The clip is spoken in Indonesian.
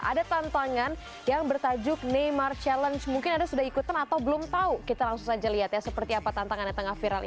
ada tantangan yang bertajuk neymar challenge